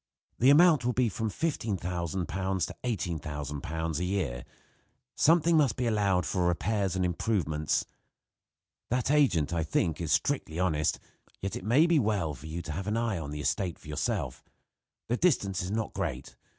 The amount will be from £15,000 to £18,000 a year. Something must be allowed for repairs and improvements. That agent, I think, is strictly honest; yet it may be well for you to have an eye on the estate for yourself. The distance is not great.